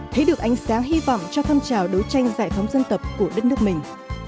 thấy được ánh sáng hy vọng cho phong trào đấu tranh giải phóng dân tộc của đất nước mình